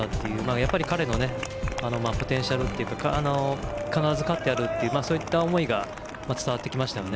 やっぱり彼のポテンシャルというか必ず勝ってやるというそういった思いが伝わってきましたよね。